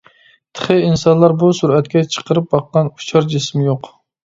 تېخى ئىنسانلار بۇ سۈرئەتكە چىقىرىپ باققان ئۇچار جىسىم يوق.